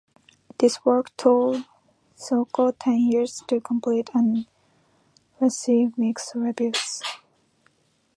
This work took Silko ten years to complete and received mixed reviews.